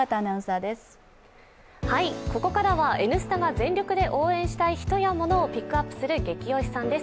ここからは「Ｎスタ」が全力で応援したい人や物をピックアップする「ゲキ推しさん」です。